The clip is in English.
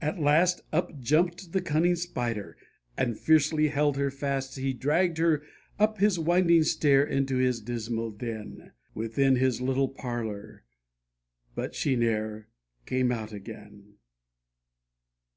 At last, Up jumped the cunning Spider, and fiercely held her fast ; He dragged her up his winding stair, into his dismal den, Within his little parlour but she ne'er came out again